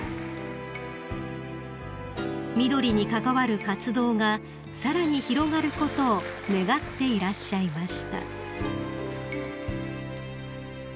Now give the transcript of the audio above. ［「みどり」に関わる活動がさらに広がることを願っていらっしゃいました］